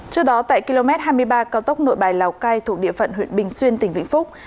trước đó tại km hai mươi ba cao tốc nội bài lào cai thuộc địa phận huyện bình xuyên tỉnh vĩnh phúc